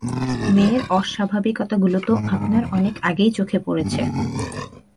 মেয়ের অস্বাভাবিকাতাগুলি তো আপনার অনেক আগেই চোখে পড়েছে।